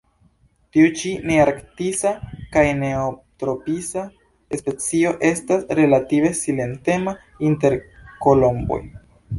Tiu ĉi nearktisa kaj neotropisa specio estas relative silentema inter kolomboj.